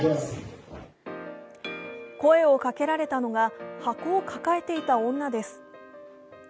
声をかけられたのが、箱を抱えていた女です。